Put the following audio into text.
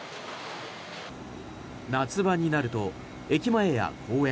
夏場になると、駅前や公園